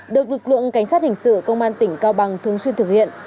được lực lượng cảnh sát hình sự công an tỉnh cao bằng thường xuyên thực hiện